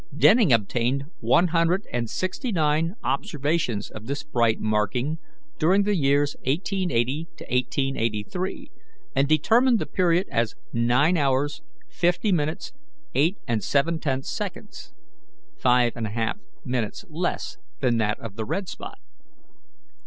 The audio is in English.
Denning obtained one hundred and sixty nine observations of this bright marking during the years 1880 1883, and determined the period as nine hours, fifty minutes, eight and seven tenths seconds (five and a half minutes less than that of the red spot).